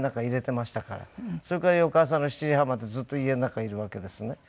それから翌朝の７時半までずっと家の中いるわけですね。